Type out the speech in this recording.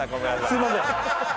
すみません。